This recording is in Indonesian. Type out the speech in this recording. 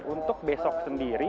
untuk besok sendiri